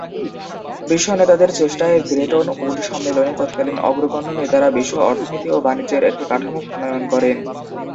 বিশ্ব নেতাদের চেষ্টায় ব্রেটন উড সম্মেলনে তৎকালীন অগ্রগণ্য নেতারা বিশ্ব অর্থনীতি ও বাণিজ্যের একটি কাঠামো প্রণয়ন করেন।